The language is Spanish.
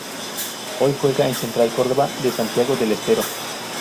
Hoy juega en Central Córdoba de Santiago del Estero.